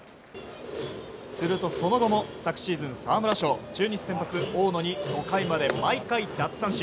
するとその後も昨シーズン沢村賞中日先発、大野に５回まで毎回奪三振。